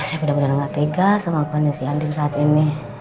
aduh saya benar benar gak tegas sama pandemi andien saat ini